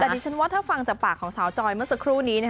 แต่ดิฉันว่าถ้าฟังจากปากของสาวจอยเมื่อสักครู่นี้